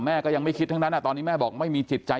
ก็ยังไม่คิดทั้งนั้นตอนนี้แม่บอกไม่มีจิตใจ